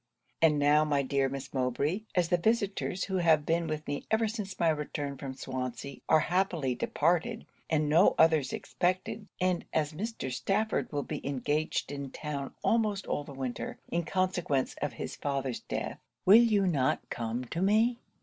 'And now, my dear Miss Mowbray, as the visitors who have been with me ever since my return from Swansea, are happily departed and no others expected, and as Mr. Stafford will be engaged in town almost all the winter, in consequence of his father's death, will you not come to me?